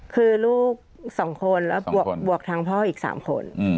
คือลูก๒คนแล้วบวกทางพ่ออีก๓คน